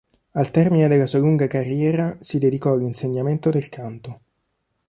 Al termine della sua lunga carriera si dedicò all'insegnamento del canto.